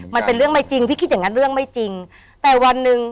มันเป็นเรื่องไม่จริงพี่คิดอย่างงั้นเรื่องไม่จริงแต่วันหนึ่ง